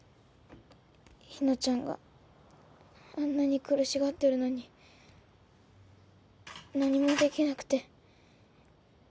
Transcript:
ひなちゃんがあんなに苦しがってるのに何もできなくて。